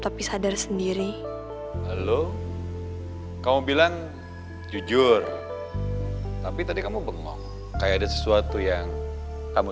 tapi sadar sendiri lalu kamu bilang jujur tapi tadi kamu bengok kayak ada sesuatu yang kamu